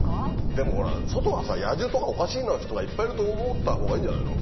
でもほら外はさ野獣とかおかしな人がいっぱいいると思ったほうがいいんじゃないの？